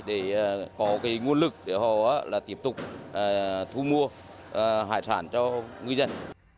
để có cái nguồn lực để họ là tiếp tục thu mua hải sản cho người dân